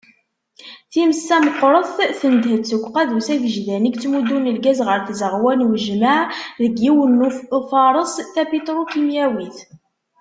Times-a meqqret, tendeh-d seg uqadus agejdan i yettmuddun lgaz ɣer tzeɣwa n ujmaɛ deg yiwet n ufares tapitrukimyawit.